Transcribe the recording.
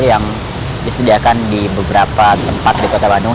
yang disediakan di beberapa tempat di kota bandung